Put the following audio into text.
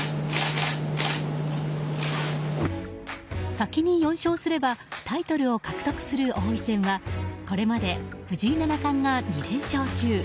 先に４勝すればタイトルを獲得する王位戦はこれまで藤井七冠が２連勝中。